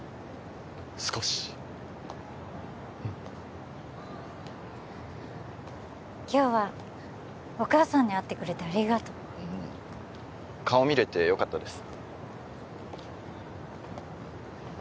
少し今日はお母さんに会ってくれてありがとううん顔見れてよかったです